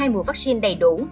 hai mùa vaccine đầy đủ